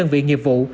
đơn vị nghiệp vụ